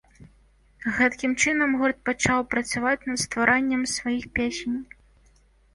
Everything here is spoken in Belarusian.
Гэтакім чынам гурт пачаў працаваць над стварэннем сваіх песень.